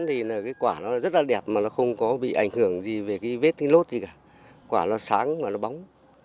thì cái quả nó rất là đẹp mà nó không có bị ảnh hưởng gì về cái vết cái lốt gì cả quả nó sáng và nó bóng